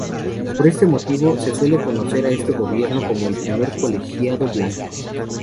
Por este motivo, se suele conocer a este gobierno como "el primer colegiado blanco".